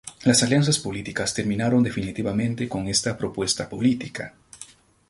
Las alianzas políticas terminaron definitivamente con esta propuesta política.